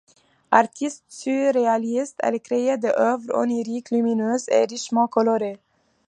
Artiste surréaliste, elle crée des œuvres oniriques lumineuses et richement colorées.